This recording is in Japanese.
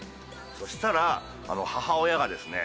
そしたら母親がですね